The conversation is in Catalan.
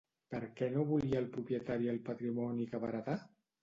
Per què no volia el propietari el patrimoni que va heretar?